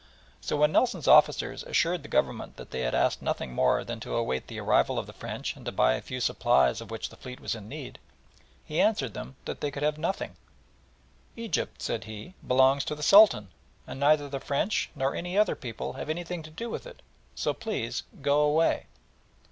So when Nelson's officers assured the Governor that they asked nothing more than to await the arrival of the French and to buy a few supplies of which the fleet was in need, he answered them that they could have nothing. "Egypt," said he, "belongs to the Sultan, and neither the French nor any other people have anything to do with it, so please go away."